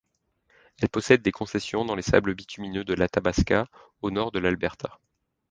Elle possède des concessions dans les sables bitumineux de l'Athabasca, au nord-est de l'Alberta.